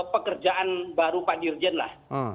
pekerjaan baru pak dirjen lah